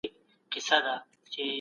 دغه کار په پوره دقت سره ترسره سو.